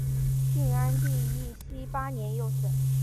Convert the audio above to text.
晋安帝义熙八年又省。